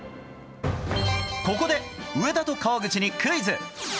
ここで上田と川口にクイズ！